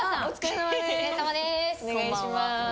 お願いします。